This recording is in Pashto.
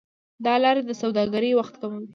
دا لارې د سوداګرۍ وخت کموي.